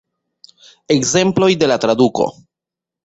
Ekzemploj de la traduko.